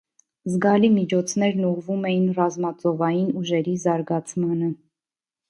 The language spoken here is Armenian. Զգալի միջոցներն ուղղվում էին ռազմածովային ուժերի զարգացմանը։